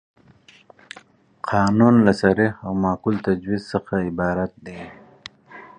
قانون له صریح او معقول تجویز څخه عبارت دی.